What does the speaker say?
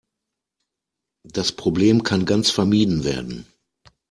Das Problem kann ganz vermieden werden.